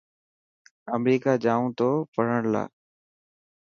امريڪا جائون تو پڙهڻ لاءِ.